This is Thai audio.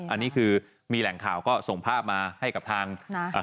อันนี้คือมีแหล่งข่าวก็ส่งภาพมาให้กับทางอ่า